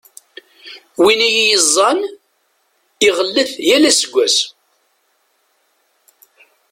Win i iyi-iẓẓan, iɣellet yal aseggas.